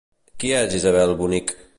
Qui és Isabel Bonig?